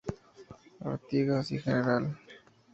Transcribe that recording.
Artigas y Gral.